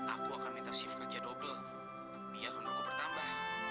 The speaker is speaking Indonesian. aku akan minta shift kerja dobel biar kontrak gue bertambah